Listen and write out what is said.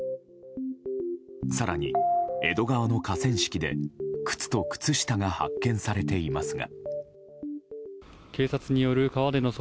更に江戸川の河川敷で靴と靴下が発見されていますが。